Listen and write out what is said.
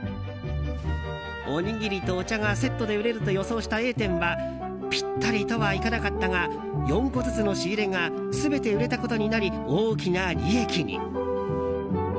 おにぎりとお茶がセットで売れると予想したＡ店はぴったりとはいかなかったが４個ずつの仕入れが全て売れたことになり大きな利益に。